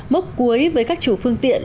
mốc cuối với các chủ phương tiện